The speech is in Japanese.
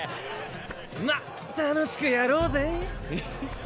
まっ楽しくやろうぜ。へへっ！